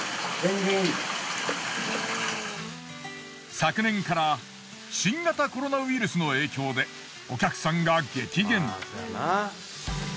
昨年から新型コロナウイルスの影響でお客さんが激減。